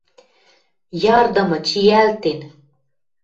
Ярдымы, чиӓлтен.